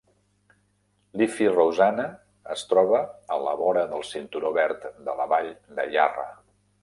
Leafy Rosanna es troba a la vora del cinturó verd de la Vall de Yarra.